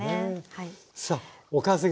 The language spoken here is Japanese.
はい。